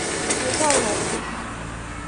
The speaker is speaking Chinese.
拍照喽哈哈